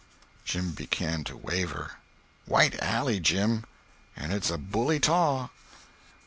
Jim began to waver. "White alley, Jim! And it's a bully taw."